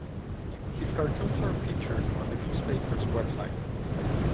His cartoons are featured on the newspaper's website.